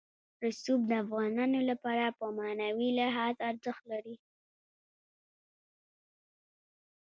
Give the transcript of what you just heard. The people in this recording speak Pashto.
رسوب د افغانانو لپاره په معنوي لحاظ ارزښت لري.